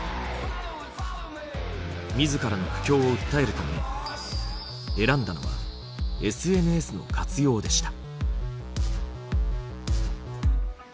自らの苦境を訴えるため選んだのはＳＮＳの活用でした。